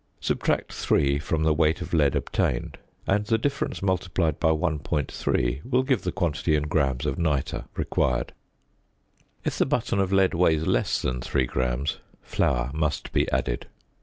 Subtract 3 from the weight of lead obtained, and the difference multiplied by 1.3 will give the quantity in grams of nitre required. If the button of lead weighs less than 3 grams flour must be added.